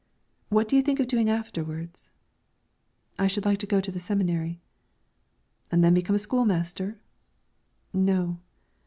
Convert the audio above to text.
"What do you think of doing afterwards?" "I should like to go to the seminary." "And then become a school master?" "No."